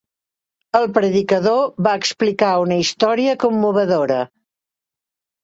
El predicador va explicar una història commovedora.